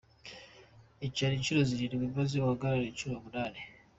Icara inshuro Zirindwi maze uhagarare inshuro umunani.